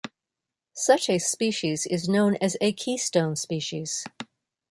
Such a species is known as a keystone species.